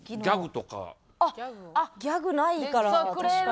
ギャグないからな確かに。